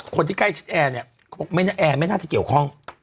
คนที่ใกล้ชิดแอร์เนี่ยเขาบอกแอร์ไม่น่าจะเกี่ยวข้อง